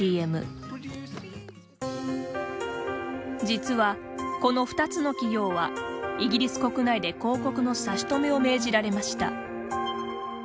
実はこの２つの企業はイギリス国内で広告の差し止めを命じられました。